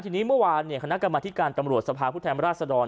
ทีนี้เมื่อวานคณะกรรมธิการตำรวจสภาพผู้แทนราชดร